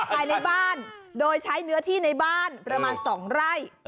ภายในบ้านโดยใช้เนื้อที่ในบ้านประมาณ๒ไร่